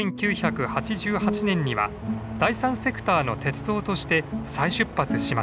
１９８８年には第３セクターの鉄道として再出発しました。